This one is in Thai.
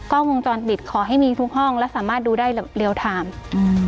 กล้องวงจรปิดขอให้มีทุกห้องและสามารถดูได้เรียลไทม์อืม